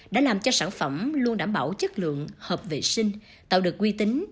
đã làm cho sản phẩm luôn đảm bảo chất lượng hợp vệ sinh tạo được quy tính